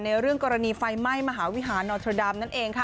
เรื่องกรณีไฟไหม้มหาวิหารนอโทดัมนั่นเองค่ะ